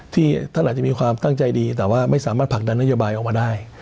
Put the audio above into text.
ที่ท่านอาจจะมีความตั้งใจดีแต่ว่าไม่สามารถผลักดันนโยบายออกมาได้